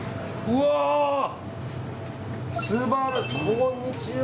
こんにちは。